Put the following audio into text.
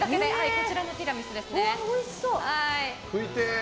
こちらのティラミスですね。